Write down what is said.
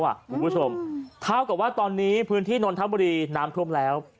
คุณผู้ชมเท่ากับว่าตอนนี้พื้นที่นนทบุรีน้ำท่วมแล้ว